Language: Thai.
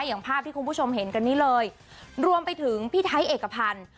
อย่างภาพที่คุณผู้ชมเห็นกันนี้เลยรวมไปถึงพี่ไทยเอกพันธ์